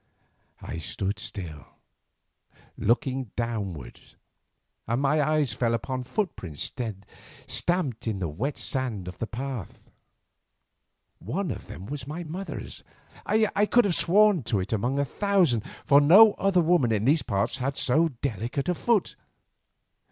I stood still, looking downward, and my eyes fell upon footprints stamped in the wet sand of the path. One of them was my mother's. I could have sworn to it among a thousand, for no other woman in these parts had so delicate a foot.